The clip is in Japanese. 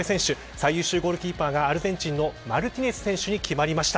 最優秀ゴールキーパーがアルゼンチンのマルティネス選手に決まりました。